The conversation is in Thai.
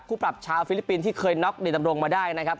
ปรับชาวฟิลิปปินส์ที่เคยน็อกดีดำรงมาได้นะครับ